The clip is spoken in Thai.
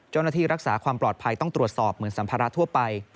เจ้าหน้าที่รักษาความปลอดภัยต้องตรวจสอบเหมือนสัมภาระทั่วไป